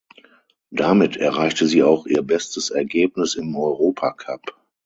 Damit erreichte sie auch ihr bestes Ergebnis im Europacup.